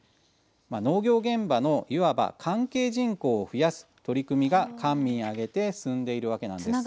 農業現場の、いわば関係人口を増やす取り組みが官民挙げて進んでいるわけなんです。